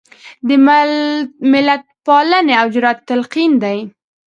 د ملتپالنې او جرات تلقین دی.